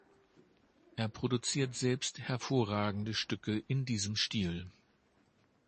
Er produziert selbst hervorragende Stücke in diesem Stil.